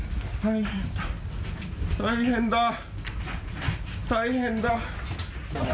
大変だ、大変だ。